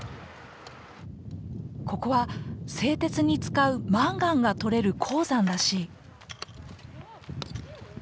ここは製鉄に使うマンガンが採れる鉱山らしい。